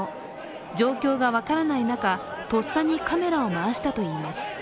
状況が分からない中、とっさにカメラを回したといいます。